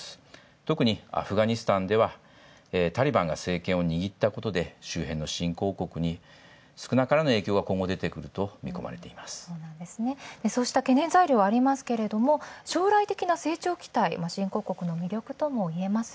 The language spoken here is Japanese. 特にアフガニスタンではタリバンが政権を握ったことで周辺の新興国に少なからぬ影響が今後出てくるとそうした懸念材料はあるが、将来的な成長期待、新興国の魅力とも思われます。